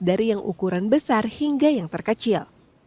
dari yang ukuran besar hingga yang terkecil